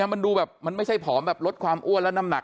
มันดูแบบมันไม่ใช่ผอมแบบลดความอ้วนและน้ำหนัก